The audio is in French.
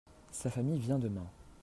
Sa famille vient demain.